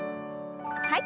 はい。